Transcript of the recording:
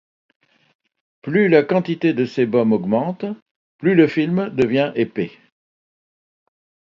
Plus la quantité de sébum augmente, plus le film devient épais.